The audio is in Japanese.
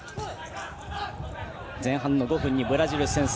前半の５分にブラジル先制。